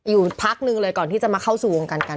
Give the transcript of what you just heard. อยู่พักนึงเลยก่อนที่จะมาเข้าสู่วงการกัน